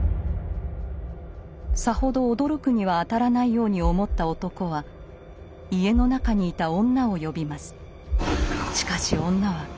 さほど驚くには当たらないように思った男は家の中に居た女を呼びます。